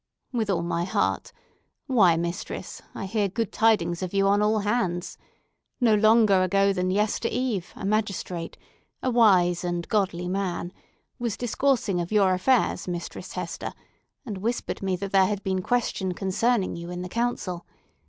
"With all my heart! Why, mistress, I hear good tidings of you on all hands! No longer ago than yester eve, a magistrate, a wise and godly man, was discoursing of your affairs, Mistress Hester, and whispered me that there had been question concerning you in the council.